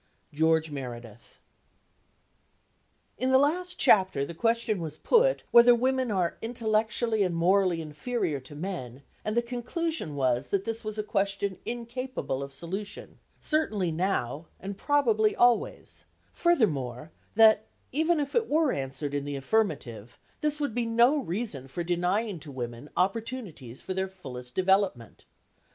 GEORGE MEREDITH. In the last chapter the question was put whether women are intellectually and morally inferior to men, and the conclusion was that this was a question incapable of solution, certainly now, and probably always; furthermore, that, even if it were answered in the affirmative, this would be no reason for denying to women opportunities for their fullest development.